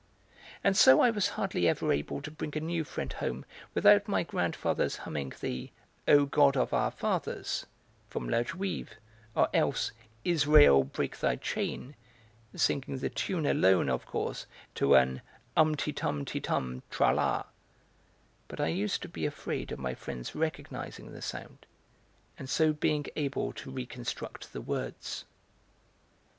And so I was hardly ever able to bring a new friend home without my grandfather's humming the "O, God of our fathers" from La Juive, or else "Israel, break thy chain," singing the tune alone, of course, to an "um ti tum ti tum, tra la"; but I used to be afraid of my friend's recognising the sound, and so being able to reconstruct the words.